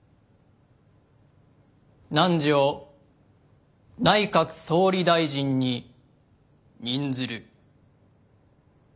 汝を内閣総理大臣に任ずる。